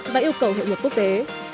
đã yêu cầu hệ luật quốc tế